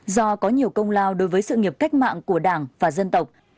do có nhiều công lao đối với sự nghiệp cách mạng của đảng và dân tộc